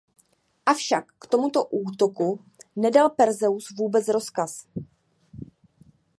Avšak k tomuto útoku nedal Perseus vůbec rozkaz.